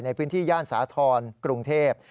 ในพื้นที่ย่านสาธรณ์กรุงเทพฯ